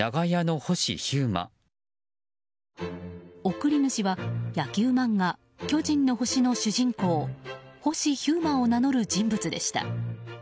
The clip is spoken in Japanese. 送り主は野球漫画「巨人の星」の主人公星飛雄馬を名乗る人物でした。